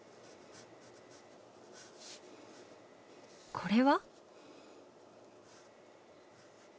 これは？